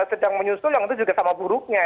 sedang menyusul yang itu juga sama buruknya